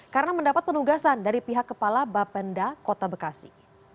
karena mendapat penugasan dari pihak kepala bapenda kota bekasi